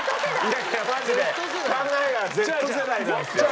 いやいやマジで考えがＺ世代なんですよ。